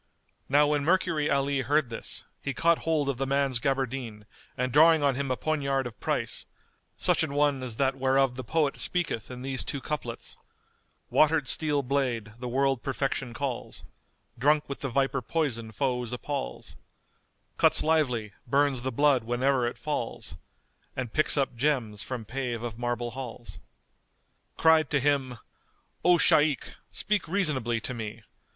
Now when Mercury Ali heard this, he caught hold of the man's gaberdine and drawing on him a poignard of price, such an one as that whereof the poet speaketh in these two couplets, "Watered steel blade, the world perfection calls, * Drunk with the viper poison foes appals, Cuts lively, burns the blood whene'er it falls; * And picks up gems from pave of marble halls;"[FN#217] cried to him, "O Shaykh, speak reasonably to me!